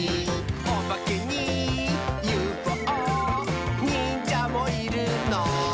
「オバケにＵＦＯにんじゃもいるの？」